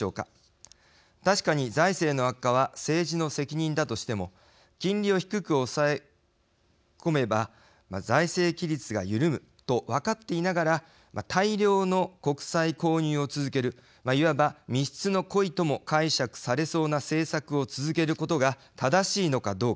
確かに財政の悪化は政治の責任だとしても金利を低く抑え込めば財政規律が緩むと分かっていながら大量の国債購入を続けるいわば未必の故意とも解釈されそうな政策を続けることが正しいのかどうか。